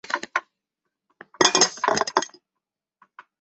张军还进一步提出要求